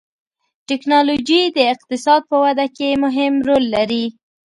ټکنالوجي د اقتصاد په وده کې مهم رول لري.